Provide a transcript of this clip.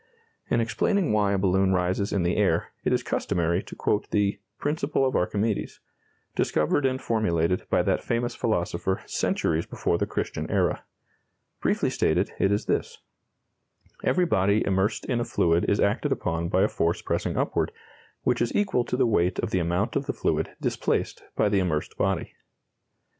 In explaining why a balloon rises in the air, it is customary to quote the "principle of Archimedes," discovered and formulated by that famous philosopher centuries before the Christian era. Briefly stated, it is this: Every body immersed in a fluid is acted upon by a force pressing upward, which is equal to the weight of the amount of the fluid displaced by the immersed body.